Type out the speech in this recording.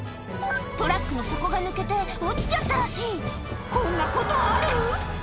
トラックの底が抜けて落ちちゃったらしいこんなことある？